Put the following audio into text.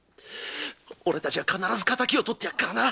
俺たちが必ず敵をとってやっからな。